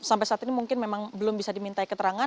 sampai saat ini mungkin memang belum bisa diminta keterangan